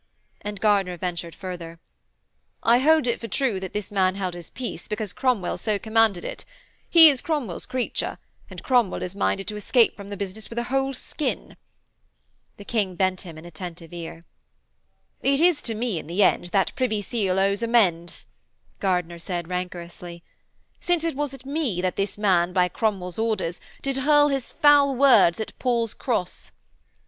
and Gardiner ventured further: 'I hold it for true that this man held his peace, because Cromwell so commanded it. He is Cromwell's creature, and Cromwell is minded to escape from the business with a whole skin.' The King bent him an attentive ear. 'It is to me, in the end, that Privy Seal owes amends,' Gardiner said rancorously. 'Since it was at me that this man, by Cromwell's orders, did hurl his foul words at Paul's Cross.'